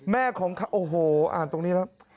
แม่ของเขาโอ้โหอ่านตรงนี้แล้ว